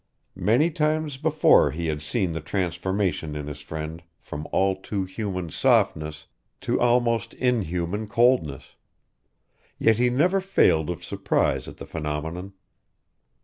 Many times before he had seen the transformation in his friend from all too human softness to almost inhuman coldness yet he never failed of surprise at the phenomenon.